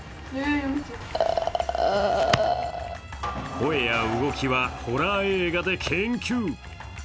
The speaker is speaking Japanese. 声や動きはホラー映画で研究。